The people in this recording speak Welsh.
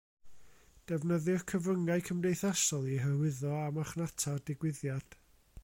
Defnyddir cyfryngau cymdeithasol i hyrwyddo a marchnata'r digwyddiad